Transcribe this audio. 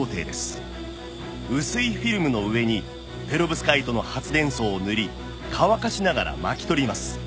薄いフィルムの上にペロブスカイトの発電層を塗り乾かしながら巻き取ります